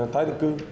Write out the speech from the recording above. thái định cư